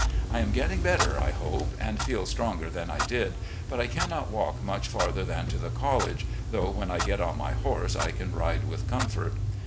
I am getting better, I hope, and feel stronger than I did, but I cannot walk much farther than to the college, though when I get on my horse I can ride with comfort.